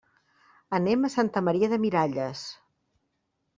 Anem a Santa Maria de Miralles.